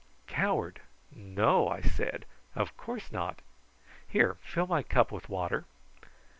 "Coward! No," I said, "of course not. Here, fill my cup with water."